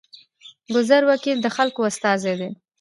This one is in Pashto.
ګذر وکیل د خلکو استازی دی